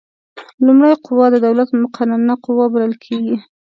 لومړۍ قوه د دولت مقننه قوه بلل کیږي.